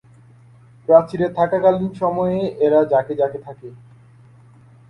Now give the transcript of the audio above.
প্রাচীরে থাকাকালীন সময়ে এরা ঝাঁকে ঝাঁকে থাকে।